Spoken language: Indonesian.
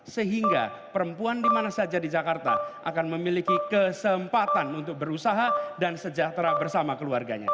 sehingga perempuan dimana saja di jakarta akan memiliki kesempatan untuk berusaha dan sejahtera bersama keluarganya